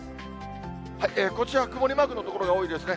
こちら、曇りマークの所が多いですね。